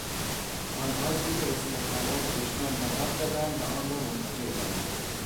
آنها زیر استحکامات دشمن نقب زدند و آن را منفجر کردند.